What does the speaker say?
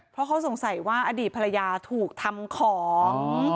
เพราะเขาสงสัยว่าอดีตภรรยาถูกทำของ